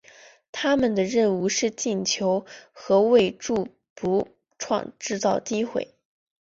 他们的任务是进球和为柱趸制造机会。